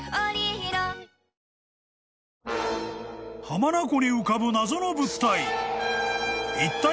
［浜名湖に浮かぶ謎の物体］